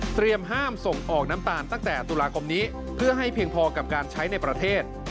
ห้ามส่งออกน้ำตาลตั้งแต่ตุลาคมนี้เพื่อให้เพียงพอกับการใช้ในประเทศ